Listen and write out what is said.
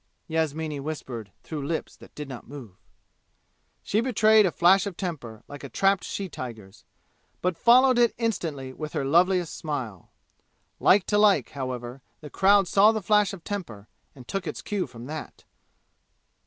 Yasmini whispered through lips that did not move. She betrayed a flash of temper like a trapped she tiger's, but followed it instantly with her loveliest smile. Like to like, however, the crowd saw the flash of temper and took its cue from that.